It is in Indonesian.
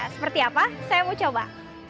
seperti apa saya mau coba